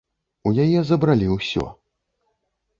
У яе забралі ўсе.